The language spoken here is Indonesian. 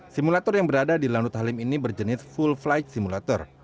simulator yang berada di lanut halim ini berjenis full flight simulator